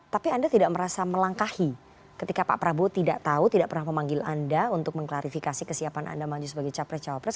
tapi anda tidak merasa melangkahi ketika pak prabowo tidak tahu tidak pernah memanggil anda untuk mengklarifikasi kesiapan anda maju sebagai capres cawapres